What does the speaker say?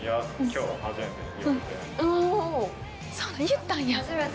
言ったんや？